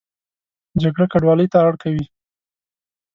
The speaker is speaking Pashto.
جګړه کډوالۍ ته اړ کوي